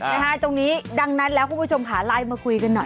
นะฮะตรงนี้ดังนั้นแล้วคุณผู้ชมค่ะไลน์มาคุยกันหน่อย